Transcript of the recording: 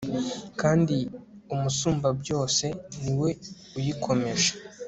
kandi umusumbabyose, ni we uyikomeje